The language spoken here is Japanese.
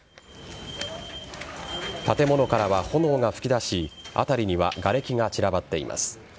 建物からは炎が噴き出し辺りにはがれきが散らばっています。